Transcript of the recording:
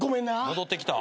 戻ってきた。